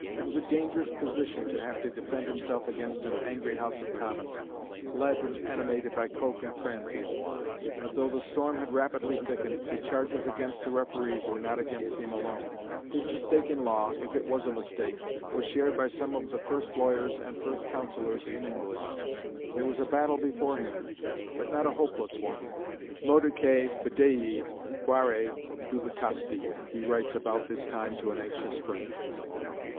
It was a dangerous position to have to defend himself against an angry House of Commons, led and animated by Coke and Cranfield. But though the storm had rapidly thickened, the charges against the referees were not against him alone. His mistake in law, if it was a mistake, was shared by some of the first lawyers and first councillors in England. There was a battle before him, but not a hopeless one. "Modicæ fidei, quare dubitasti" he writes about this time to an anxious friend.